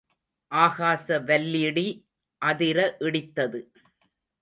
ஆகாச வல்லிடி அதிர இடித்தது.